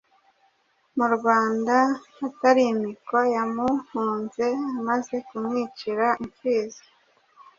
mu Rwanda atarimikwa. Yamuhunze amaze kumwicira imfizi,